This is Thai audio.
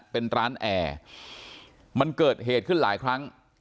เป็นร้านแอร์มันเกิดเหตุขึ้นหลายครั้ง